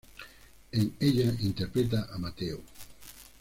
En ella interpreta a Mateo.